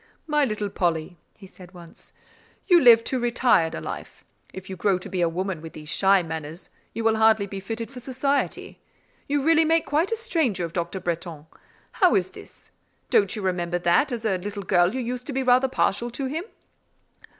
"My little Polly," he said once, "you live too retired a life; if you grow to be a woman with these shy manners, you will hardly be fitted for society. You really make quite a stranger of Dr. Bretton: how is this? Don't you remember that, as a little girl, you used to be rather partial to him?"